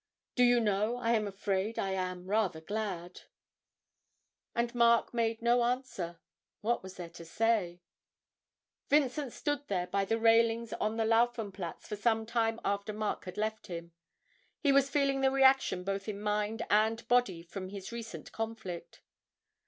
Do you know I am afraid I am rather glad?' And Mark made no answer; what was there to say? Vincent stood there by the railings on the Laufenplatz for some time after Mark had left him; he was feeling the reaction both in mind and body from his recent conflict.